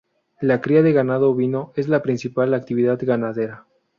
La cría de ganado ovino es la principal actividad ganadera.